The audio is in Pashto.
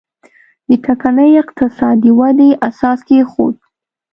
د ټکنۍ اقتصادي ودې اساس کېښود.